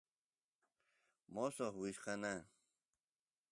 mosoq wichkana